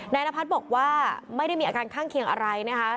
นพัฒน์บอกว่าไม่ได้มีอาการข้างเคียงอะไรนะคะ